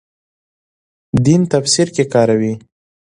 دین تفسیر کې کاروي.